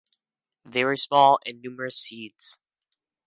Very small and numerous seeds.